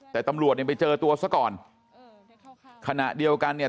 แต่ตำรวจเนี่ยไปเจอตัวซะก่อนขณะเดียวกันเนี่ย